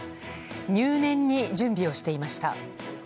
入念に準備をしていました。